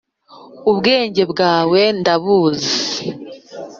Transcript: ubwenge bwawe ndabuzi